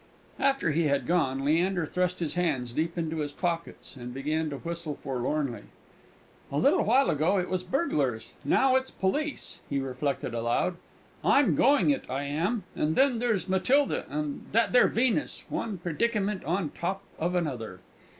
After he had gone, Leander thrust his hands deep into his pockets, and began to whistle forlornly. "A little while ago it was burglars now it's police!" he reflected aloud. "I'm going it, I am! And then there's Matilda and that there Venus one predickyment on top of another!"